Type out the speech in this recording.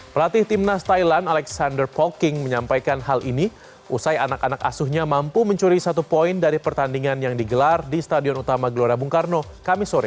pelatih timnas thailand alexander pocking menyampaikan hal ini usai anak anak asuhnya mampu mencuri satu poin dari pertandingan yang digelar di stadion utama gelora bung karno kamisore